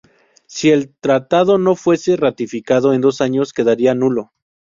Si el tratado no fuese ratificado en dos años, quedaría nulo.